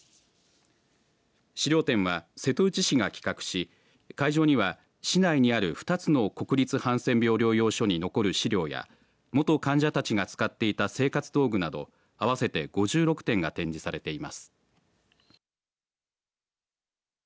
資料展は瀬戸内市が企画し会場には市内にある２つの国立ハンセン病療養所に残る資料や、元患者たちが使っていた生活道具など合わせて５６点が展示されています。